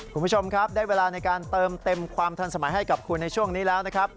คุณผู้ชมครับได้เวลาในการเติมเต็มความทันสมัยให้กับคุณในช่วงนี้แล้วนะครับ